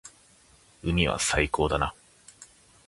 海は最高だな。